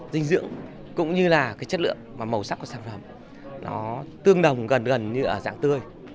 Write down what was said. dinh dưỡng cũng như là cái chất lượng và màu sắc của sản phẩm nó tương đồng gần gần như ở dạng tươi